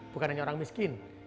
bukan hanya orang miskin